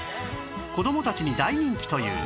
子どもたちに大人気という